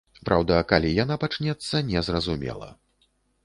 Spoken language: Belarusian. Праўда, калі яна пачнецца, незразумела.